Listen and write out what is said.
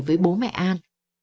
với bố mẹ an